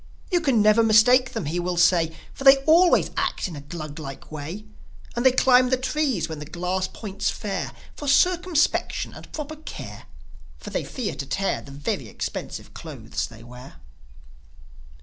"You can never mistake them," he will say; "For they always act in a Gluglike way. And they climb the trees when the glass points fair, With circumspection and proper care, For they fear to tear The very expensive clothes they wear."